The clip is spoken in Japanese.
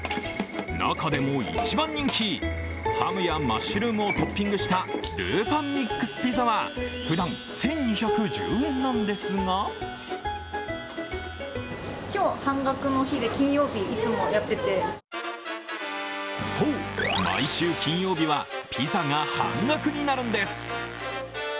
中でも一番人気、ハムやマッシュルームをトッピングしたるーぱんミックスピザはふだん１２１０円なんですがそう、毎週金曜日はピザが半額になるんです。